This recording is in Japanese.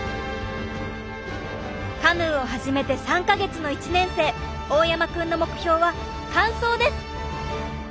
カヌーを始めて３か月の１年生大山くんの目標は完走です！